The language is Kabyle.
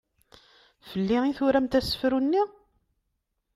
Fell-i i turamt asefru-nni?